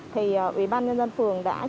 thì ủy ban nhân dân phường đã